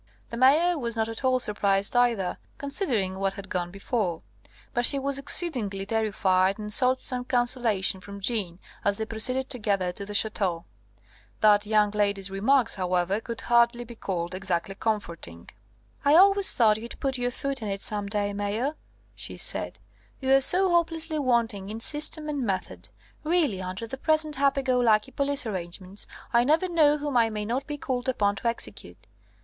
The Mayor was not at all surprised either, considering what had gone before; but he was exceedingly terrified, and sought some consolation from Jeanne as they proceeded together to the Ch√¢teau. That young lady's remarks, however, could hardly be called exactly comforting. [Illustration: An invitation arrived, backed by an escort of half a dozen tall archers.] "I always thought you'd put your foot in it some day, Mayor," she said. "You are so hopelessly wanting in system and method. Really, under the present happy go lucky police arrangements, I never know whom I may not be called upon to execute.